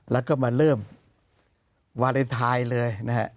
แล้วก็มันเริ่มวาเลนไทยเลย